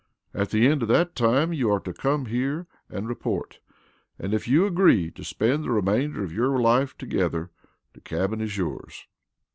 "At the end of that time you are to come here and report, and if you agree to spend the remainder of your life together, the cabin is yours!"